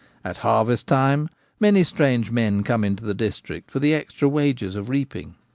At harvest time many strange men come into the district for the extra wages of reaping.